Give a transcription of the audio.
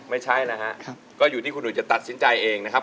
ไม่ใช่นะฮะก็อยู่ที่คุณอุ๋ยจะตัดสินใจเองนะครับ